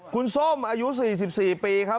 คุณส้มอายุ๔๔ปีครับ